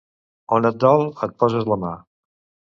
On et dol et poses la mà.